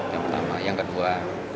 yang pertama yang kedua